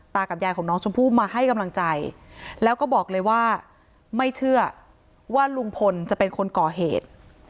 กับยายของน้องชมพู่มาให้กำลังใจแล้วก็บอกเลยว่าไม่เชื่อว่าลุงพลจะเป็นคนก่อเหตุ